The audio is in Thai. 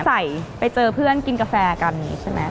ใส่ไปเจอเพื่อนกินกาแฟกันใช่ไหม